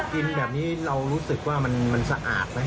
กินแบบนี้เรารู้สึกว่ามันสะอาดไหม